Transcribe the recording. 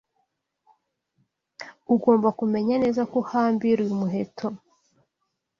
Ugomba kumenya neza ko uhambiriye umuheto.